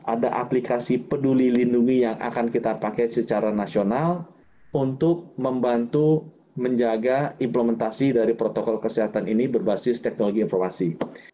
ada aplikasi peduli lindungi yang akan kita pakai secara nasional untuk membantu menjaga implementasi dari protokol kesehatan ini berbasis teknologi informasi